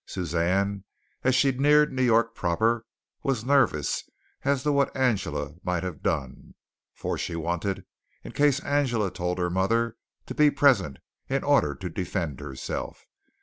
Suzanne, as she neared New York proper, was nervous as to what Angela might have done, for she wanted, in case Angela told her mother, to be present, in order to defend herself.